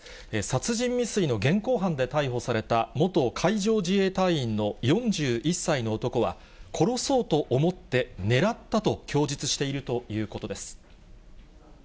殺人未遂の現行犯で逮捕された元海上自衛隊員の４１歳の男は、殺そうと思って狙ったと供述しているということです。